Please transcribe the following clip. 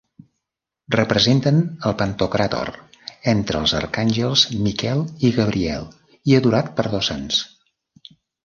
Representen el Pantocràtor entre els arcàngels Miquel i Gabriel i adorat per dos sants.